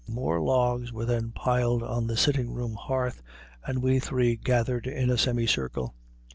More logs were then piled on the sitting room hearth, and we three gathered in a semi circle.